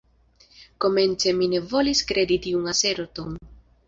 Komence mi ne volis kredi tiun aserton.